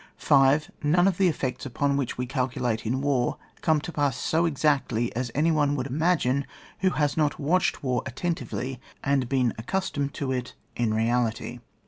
5. None of the effects upon which we calculate in war, come to pass so exactly as any one would imagine who has not watched war attentively and been ac customed to it in reality.